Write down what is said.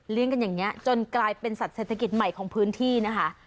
กันอย่างนี้จนกลายเป็นสัตว์เศรษฐกิจใหม่ของพื้นที่นะคะ